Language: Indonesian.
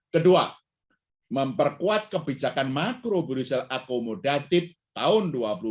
kedua memperkuat kebijakan makro berisial akomodatif tahun dua ribu dua puluh